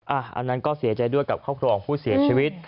อันนั้นก็เสียใจด้วยกับครอบครัวของผู้เสียชีวิต